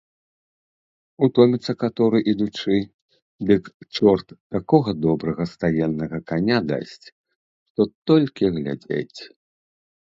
Утоміцца каторы ідучы, дык чорт такога добрага стаеннага каня дасць, што толькі глядзець.